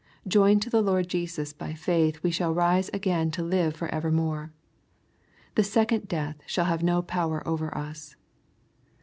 Joined to the Lord Jesus by faith we shall rise again to live for evermore. The second death shall have no power over us.